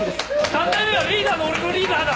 ３代目はリーダーの俺のリーダーだ！